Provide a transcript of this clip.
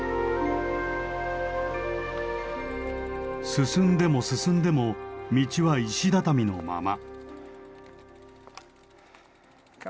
進んでも進んでも道は石畳のまま。